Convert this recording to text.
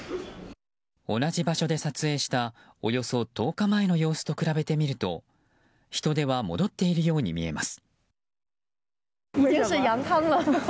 同じ場所で撮影したおよそ１０日前の様子と比べてみると人出は戻っているように見えます。